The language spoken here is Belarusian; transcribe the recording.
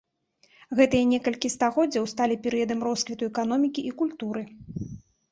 Гэтыя некалькі стагоддзяў сталі перыядам росквіту эканомікі і культуры.